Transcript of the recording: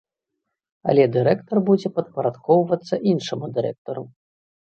Але дырэктар будзе падпарадкоўвацца іншаму дырэктару.